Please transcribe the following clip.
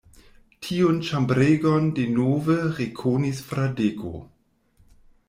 Tiun ĉambregon denove rekonis Fradeko.